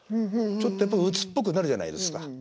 ちょっとやっぱりうつっぽくなるじゃないですか。